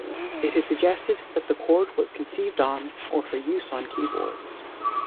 It is suggested that the chord was conceived on or for use on keyboards.